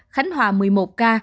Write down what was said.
khánh hòa một mươi một ca